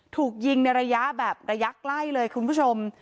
ถูกยิงในระยะไกลเลยคุณผู้ชม